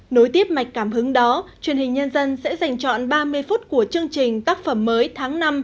nối tiếp mạch cảm hứng đó truyền hình nhân dân sẽ dành chọn ba mươi phút của chương trình tác phẩm mới tháng năm